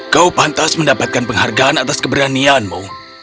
kau pantas mendapatkan penghargaan atas keberanianmu